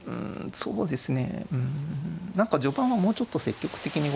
そうですね